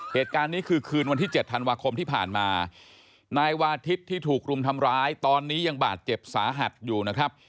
เหตุการณ์นี้คือคืนวันที่๗ธันวาคมที่ผ่านมานายวาทิศที่ถูกรุมทำร้ายตอนนี้ยังบาดเจ็บสาหัสอยู่นะครับ